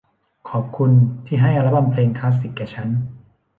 ขอบคุณที่ให้อัลบั้มเพลงคลาสสิคแก่ฉัน